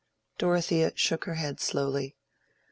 Dorothea shook her head slowly.